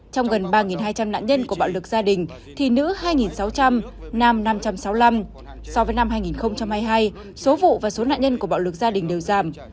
trong gần ba hai trăm linh nạn nhân của bạo lực gia đình thì nữ hai sáu trăm linh nam năm trăm sáu mươi năm so với năm hai nghìn hai mươi hai số vụ và số nạn nhân của bạo lực gia đình đều giảm